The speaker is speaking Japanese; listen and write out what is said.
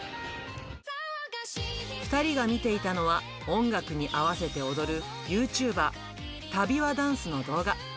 ２人が見ていたのは、音楽に合わせて踊るユーチューバー、タビワダンスの動画。